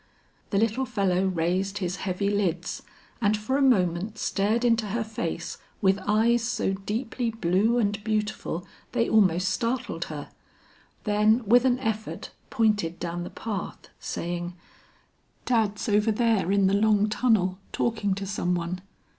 The little fellow raised his heavy lids and for a moment stared into her face with eyes so deeply blue and beautiful they almost startled her, then with an effort pointed down the path, saying, "Dad's over there in the long tunnel talking to some one.